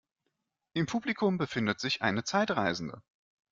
Im Publikum befindet sich eine Zeitreisende.